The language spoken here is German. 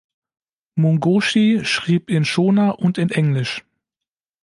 Mungoshi schrieb in Shona und in Englisch.